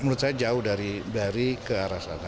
menurut saya jauh dari ke arah sana